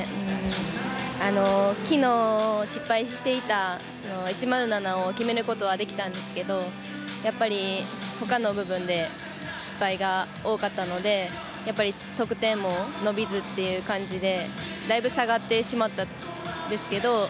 昨日、失敗していた１０７を決めることはできたんですけどやっぱり他の部分で失敗が多かったので得点も伸びずという感じでだいぶ下がってしまったんですけど。